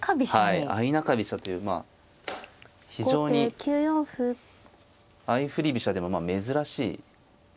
はい相中飛車というまあ非常に相振り飛車でも珍しい。